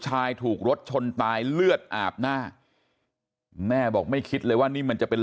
ชายถูกรถชนตายเลือดอาบหน้าแม่บอกไม่คิดเลยว่านี่มันจะเป็น